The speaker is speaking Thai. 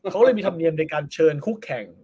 เขาก็เลยมีธรรมเนียมในการเชิญคู่แข่ง